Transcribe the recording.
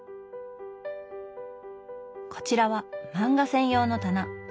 こちらは漫画専用の棚。